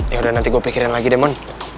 yaudah nanti gue pikirin lagi deh mon